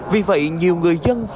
vì vậy nhiều người dân vẫn không biết